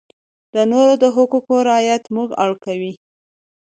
د نورو د حقوقو رعایت موږ اړ کوي.